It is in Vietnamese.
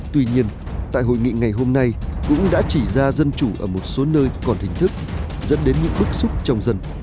tuy nhiên tại hội nghị ngày hôm nay cũng đã chỉ ra dân chủ ở một số nơi còn hình thức dẫn đến những bức xúc trong dân